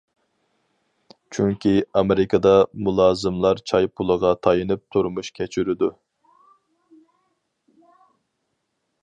چۈنكى ئامېرىكىدا مۇلازىملار چاي پۇلىغا تايىنىپ تۇرمۇش كەچۈرىدۇ.